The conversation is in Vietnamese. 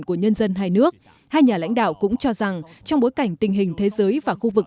của nhân dân hai nước hai nhà lãnh đạo cũng cho rằng trong bối cảnh tình hình thế giới và khu vực